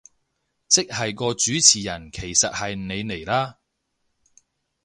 即係個主持人其實係你嚟啦